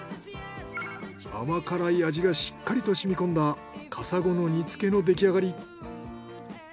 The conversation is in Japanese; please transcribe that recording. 甘辛い味がしっかりと染み込んだカサゴの煮付けの出来上がり。